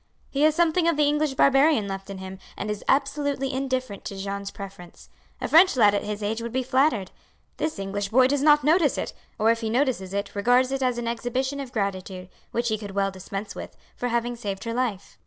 "He has something of the English barbarian left in him, and is absolutely indifferent to Jeanne's preference. A French lad at his age would be flattered. This English boy does not notice it, or if he notices it regards it as an exhibition of gratitude, which he could well dispense with, for having saved her life.